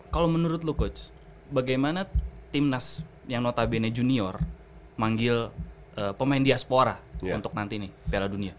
kalau menurut lu coach bagaimana timnas yang notabene junior manggil pemain diaspora untuk nanti nih piala dunia